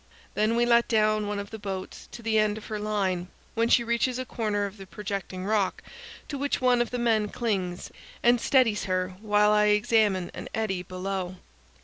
Then we let down one of the boats to the end of her line, when she reaches a corner of the projecting rock, to which one of the men clings and steadies her while I examine an eddy below.